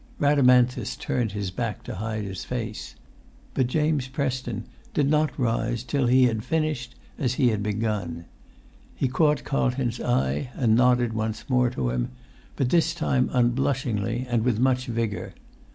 Rhadamanthus turned his back to hide his face, but James Preston did not rise till he had finished as he begun. He caught Carlton's eye, and nodded once more to him, but this time unblushingly and with much vigour.